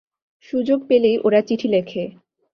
সুযোগ পেলেই ওরা চিঠি লেখে।